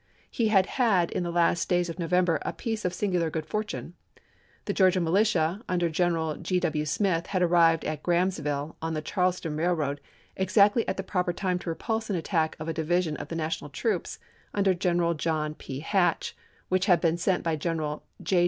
He had had in the last days of November a piece of singu lar good fortune. The Georgia militia under Gen eral G. W. Smith had arrived at Grahamsville on the Charleston Railroad exactly at the proper time to repulse an attack of a division of National troops under General John P. Hatch, which had been sent by General J.